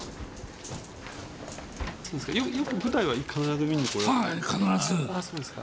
よく舞台は必ず見に来られるんですか？